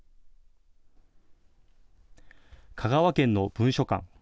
香川県の文書館。